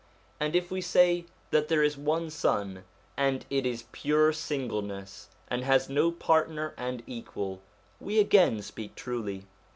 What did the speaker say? And if we say that there is one Sun, and it is pure single ness, and has no partner and equal, we again speak truly.